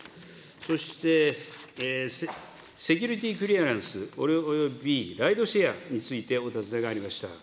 そして、セキュリティ・クリアランスおよびライドシェアについてお尋ねがありました。